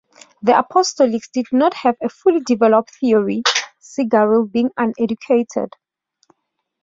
The Apostolics did not have a fully developed theory, Segarelli being uneducated.